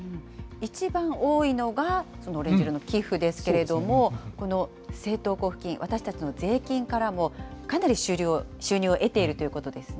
一番多いのが、オレンジ色の寄付ですけれども、この政党交付金、私たちの税金からもかなり収入を得ているということですね。